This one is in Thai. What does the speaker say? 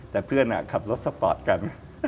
แต่เพื่อนขับรถสปอร์ตกัน